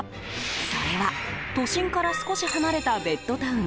それは、都心から少し離れたベッドタウン